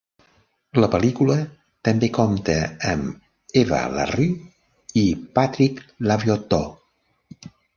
La pel·lícula també compta amb Eva LaRue i Patrick Labyorteaux.